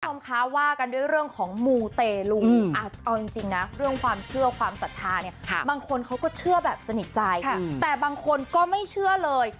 คุณผู้ชมคะว่ากันด้วยเรื่องของมูเตลูเอาจริงนะเรื่องความเชื่อความศรัทธาเนี่ยบางคนเขาก็เชื่อแบบสนิทใจแต่บางคนก็ไม่เชื่อเลย